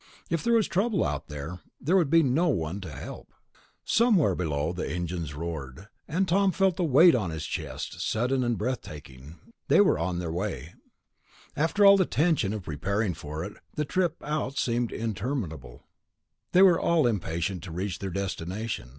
If there was trouble out there, there would be no one to help. Somewhere below the engines roared, and Tom felt the weight on his chest, sudden and breath taking. They were on their way. 4. "Between Mars and Jupiter...." After all the tension of preparing for it, the trip out seemed interminable. They were all impatient to reach their destination.